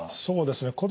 そうですね。